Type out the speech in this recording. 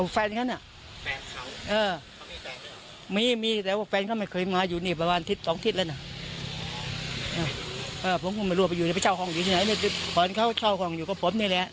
ผมคงไม่รู้ว่าไปอยู่ในพระเจ้าของอยู่ไหนขอนเขาเข้าของอยู่กับผมนี่แหละ